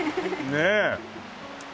ねえ。